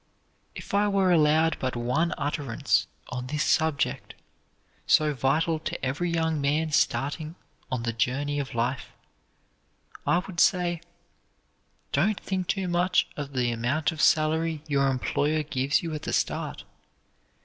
If I were allowed but one utterance on this subject, so vital to every young man starting on the journey of life, I would say: "Don't think too much of the amount of salary your employer gives you at the start.